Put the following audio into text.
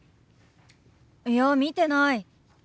いや見てない。